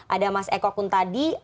ada mas eko kuntadi